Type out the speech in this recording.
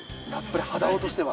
肌男としては？